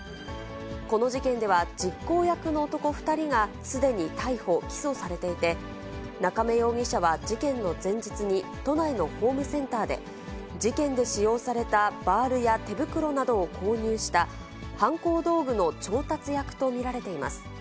この事件では、実行役の男２人がすでに逮捕・起訴されていて、中明容疑者は事件の前日に都内のホームセンターで、事件で使用されたバールや手袋などを購入した犯行道具の調達役と見られています。